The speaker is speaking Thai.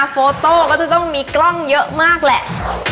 โฟโต้ก็จะต้องมีกล้องเยอะมากแหละ